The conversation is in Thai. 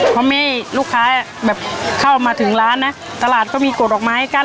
เพราะไม่ให้ลูกค้าแบบเข้ามาถึงร้านนะตลาดก็มีกฎอกม้าให้กัน